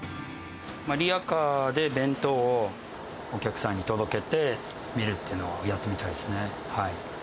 リヤカーで弁当をお客さんに届けてみるっていうのをやってみたいですね。